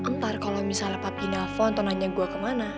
ntar kalau misalnya papi nelfon atau nanya gue kemana